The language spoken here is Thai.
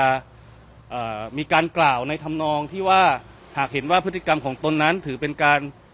อ่ามีการกล่าวในธรรมนองที่ว่าหากเห็นว่าพฤติกรรมของตนนั้นถือเป็นการ